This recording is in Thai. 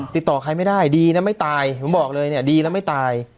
ติดต่อใครไม่ได้ดีนะไม่ตายผมบอกเลยเนี่ยดีนะไม่ตาย